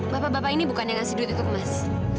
bapak bapak ini bukan yang ngasih duit itu ke mas